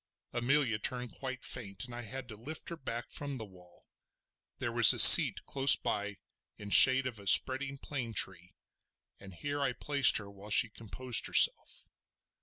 Amelia turned quite faint, and I had to lift her back from the wall. There was a seat close by in shade of a spreading plane tree, and here I placed her whilst she composed herself.